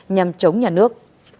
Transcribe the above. nhằm chống nhà nước